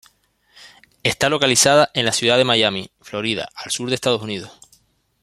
Está localizada en la ciudad de Miami, Florida, al sur de Estados Unidos.